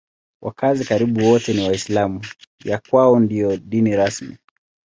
Wakazi karibu wote ni Waislamu; ya kwao ndiyo dini rasmi.